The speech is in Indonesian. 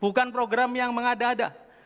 bukan program yang mengada ada